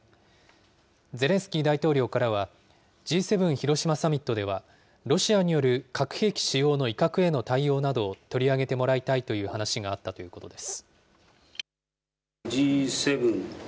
ゼレンスキー大統領からは、Ｇ７広島サミットでは、ロシアによる核兵器使用の威嚇への対応などを取り上げてもらいたいという話があったということです。